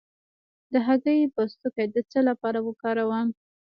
د هګۍ پوستکی د څه لپاره وکاروم؟